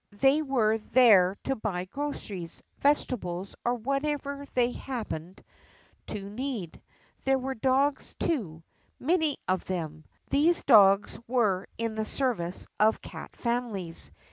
They were there to buy groceries, vegetables, or whatever they happened to need. There were dogs too — many of them. These dogs were in the service of cat families.